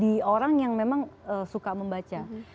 di orang yang memang suka membaca